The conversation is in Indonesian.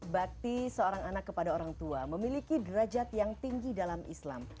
bakti seorang anak kepada orang tua memiliki derajat yang tinggi dalam islam